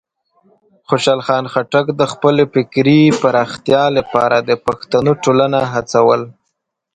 خوشحال خان خټک د خپلې فکري پراختیا لپاره د پښتنو ټولنه هڅول.